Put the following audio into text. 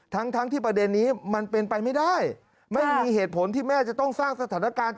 ทั้งทั้งที่ประเด็นนี้มันเป็นไปไม่ได้ไม่มีเหตุผลที่แม่จะต้องสร้างสถานการณ์